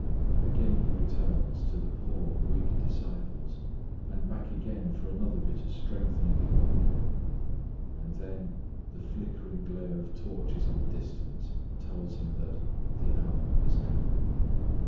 Again He returns to the poor, weak disciples, and back again for another bit of strengthening communion, and then the flickering glare of torches in the distance tells Him that "the hour is come."